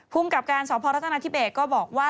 พูมเกับการสอบพอรัฐนาทิเบคบอกว่า